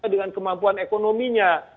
dengan kemampuan ekonominya